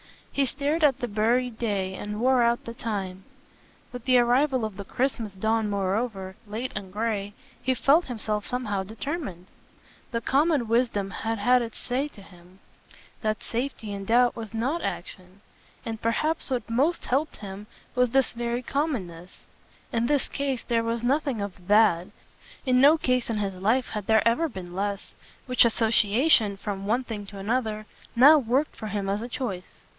He stared at the buried day and wore out the time; with the arrival of the Christmas dawn moreover, late and grey, he felt himself somehow determined. The common wisdom had had its say to him that safety in doubt was NOT action; and perhaps what most helped him was this very commonness. In his case there was nothing of THAT in no case in his life had there ever been less: which association, from one thing to another, now worked for him as a choice.